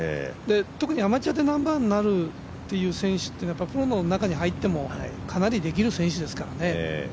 特にアマチュアでナンバーワンになる選手はプロの中に入ってもかなりできる選手ですからね。